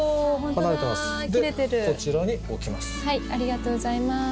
こちらに置きます。